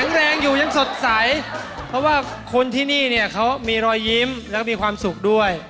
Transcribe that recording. แรงอยู่ยังสดใสเพราะว่าคนที่นี่เนี่ยเขามีรอยยิ้มแล้วก็มีความสุขด้วย